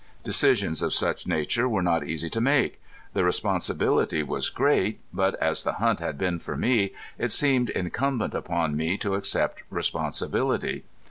Decisions of such nature were not easy to make. The responsibility was great, but as the hunt had been for me it seemed incumbent upon me to accept responsibility.